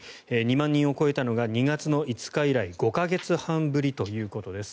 ２万人を超えたのが２月５日以来５か月半ぶりということです。